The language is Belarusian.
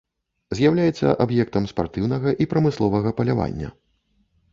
З'яўляецца аб'ектам спартыўнага і прамысловага палявання.